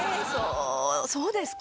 そうですか？